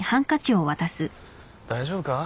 大丈夫か？